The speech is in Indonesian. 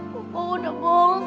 papa udah bohong